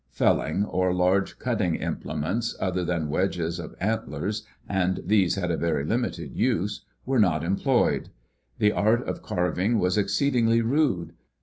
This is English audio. Felling or large cutting implements, other than wedges of antlers, and these had a very limited use, were not employed. The art of carving was exceedingly rude.